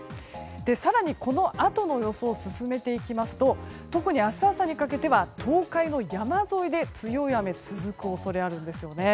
更にこのあとの予想を進めていくと特に明日朝にかけては東海の山沿いで強い雨が続く恐れがあるんです。